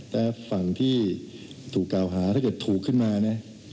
แต่ฝั่งที่ถูกกล่าวหาถ้าเกิดถูกขึ้นมานะ